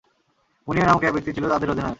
মুনিয়া নামক এক ব্যক্তি ছিল তাদের অধিনায়ক।